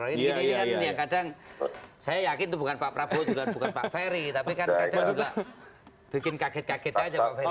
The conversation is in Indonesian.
ini kan yang kadang saya yakin itu bukan pak prabowo juga bukan pak ferry tapi kan kadang juga bikin kaget kaget aja pak ferry